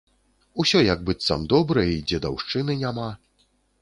Усё як быццам добра і дзедаўшчыны няма.